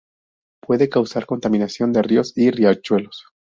Puede causar contaminación de ríos y riachuelos.